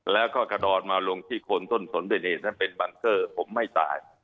แล้วก็กระดอนมาลงที่โคนต้นสนเป็นเหตุถ้าเป็นบังเกอร์ผมไม่ตาย